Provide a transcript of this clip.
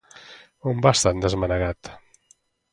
On vas tan desmanegat?